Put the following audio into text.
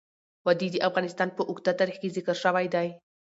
وادي د افغانستان په اوږده تاریخ کې ذکر شوی دی.